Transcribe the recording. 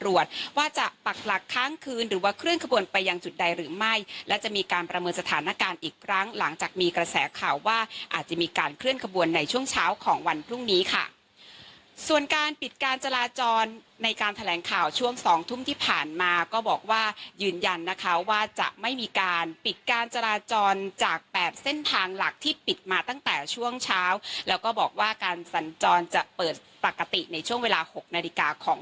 ว่าจะปรักหลักค้างคืนหรือว่าเคลื่อนขบวนไปยังจุดใดหรือไม่และจะมีการประเมินสถานการณ์อีกครั้งหลังจากมีกระแสข่าวว่าอาจจะมีการเคลื่อนขบวนในช่วงเช้าของวันพรุ่งนี้ค่ะส่วนการปิดการจราจรในการแถลงข่าวช่วงสองทุ่มที่ผ่านมาก็บอกว่ายืนยันนะคะว่าจะไม่มีการปิดการจราจรจากแปบเส้นทาง